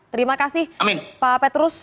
terima kasih pak petrus